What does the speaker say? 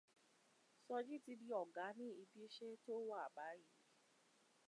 Sojí ti di ọ̀gá ní ibi iṣẹ́ tó wà báyìí.